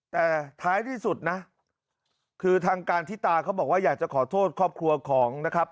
แต่ท้ายที่สุดนะคือทางการทิตาเขาบอกว่าอยากจะขอโทษครอบครัวของนะครับ